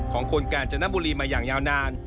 ของคนกาญจนบุรีมาอย่างยาวนาน